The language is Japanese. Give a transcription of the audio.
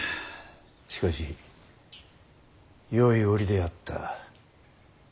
しかしよい折であった。